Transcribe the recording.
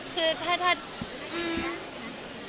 ซื้อดูได้อยู่